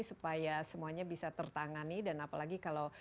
supaya semuanya bisa tertangani dan apalagi kalau